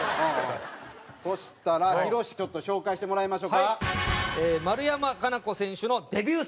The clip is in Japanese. そしたら博ちょっと紹介してもらいましょうか。